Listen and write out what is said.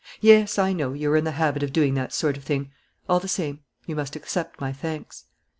"Yes, I know, you are in the habit of doing that sort of thing. All the same, you must accept my thanks."